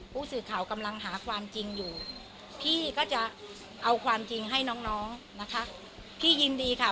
ผู้สื่อข่าวกำลังหาความจริงอยู่พี่ก็จะเอาความจริงให้น้องนะคะพี่ยินดีค่ะพี่ไม่เอาความจริงให้น้องนะคะ